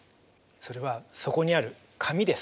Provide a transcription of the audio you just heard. それはそこにある紙です。